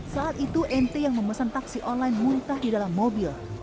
saat itu nt yang memesan taksi online muntah di dalam mobil